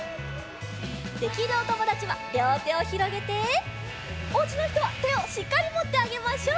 できるおともだちはりょうてをひろげておうちのひとはてをしっかりもってあげましょう！